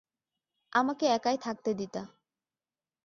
আমাকে একাই থাকতে দিতা!